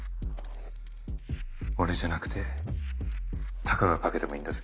俺じゃなくてタカが掛けてもいいんだぜ？